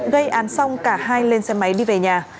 gây án xong cả hai lên xe máy đi về nhà